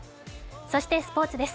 そしてスポーツです。